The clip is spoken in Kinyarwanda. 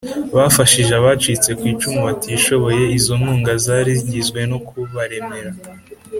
bafashije abacitse ku icumu batishoboye Izo nkunga zari zigizwe no kubaremera